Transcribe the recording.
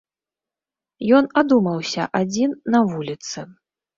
Ён адумаўся адзін на вуліцы.